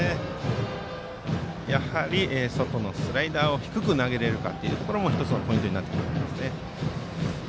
やはり外のスライダーを低く投げれるかも１つのポイントになってくると思います。